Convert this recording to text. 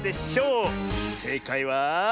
せいかいは。